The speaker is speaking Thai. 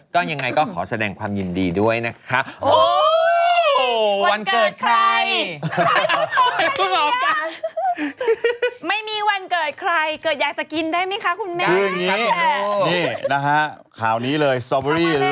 ก็ยังไงก็ขอแสดงความยินดีด้วยนะคะ